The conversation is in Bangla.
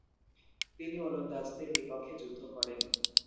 তিনি ওলন্দাজদের বিপক্ষে যুদ্ধ করেন।